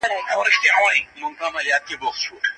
سړی د انګړ د ونو تر شا ودرېد.